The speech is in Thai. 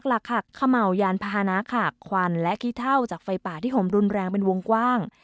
หลักค่ะเขม่าวยานพาหนะค่ะควันและขี้เท่าจากไฟป่าที่ห่มรุนแรงเป็นวงกว้าง